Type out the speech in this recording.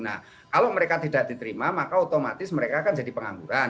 nah kalau mereka tidak diterima maka otomatis mereka akan jadi pengangguran